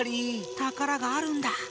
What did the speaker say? たからがあるんだ。